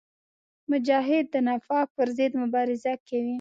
مجاهد د نفاق پر ضد مبارزه کوي.